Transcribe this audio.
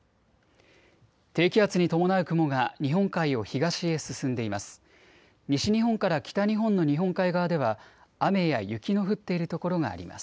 低気圧に伴う雲が日本海を東へ進んでいます。